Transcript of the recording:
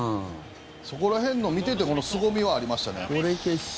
そこら辺の見ていてすごみはありましたね。